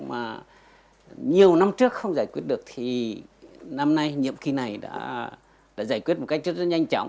mà nhiều năm trước không giải quyết được thì năm nay nhiệm kỳ này đã giải quyết một cách rất nhanh chóng